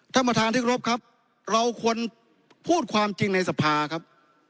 ท่านประธานที่กรบครับเราควรพูดความจริงในสภาครับ